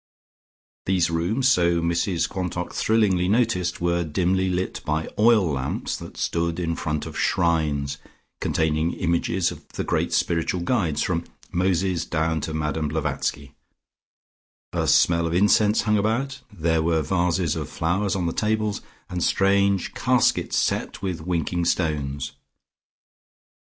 These rooms, so Mrs Quantock thrillingly noticed, were dimly lit by oil lamps that stood in front of shrines containing images of the great spiritual guides from Moses down to Madame Blavatski, a smell of incense hung about, there were vases of flowers on the tables, and strange caskets set with winking stones.